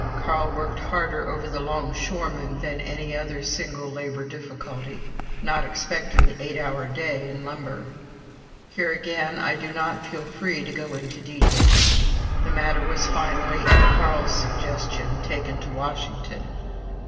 Carl worked harder over the longshoremen than over any other single labor difficulty, not excepting the eight hour day in lumber. Here again I do not feel free to go into details. The matter was finally, at Carl's suggestion, taken to Washington.